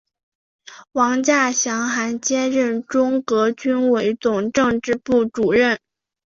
王稼祥还兼任中革军委总政治部主任。